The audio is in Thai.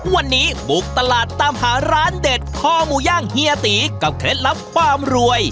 วันนี้บุกตลาดตามหาร้านเด็ดข้อหมูย่างเฮียตีกับเคล็ดลับความรวย